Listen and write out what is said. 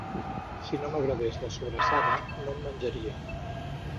Si no m'agrades la sobrassada no en menjaría